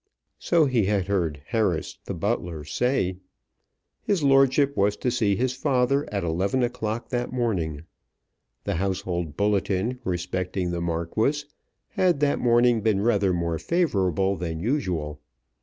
So he had heard Harris, the butler, say. His lordship was to see his father at eleven o'clock that morning. The household bulletin respecting the Marquis had that morning been rather more favourable than usual.